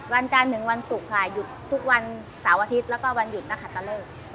วันจานถึงวันศุกร์ค่ะหยุดทุกวันสาวอาทิตย์แล้วก็วันหยุดตั้งคัตเตอร์เลิก